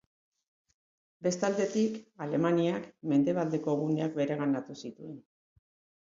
Beste aldetik, Alemaniak, mendebaldeko guneak bereganatuko zituen.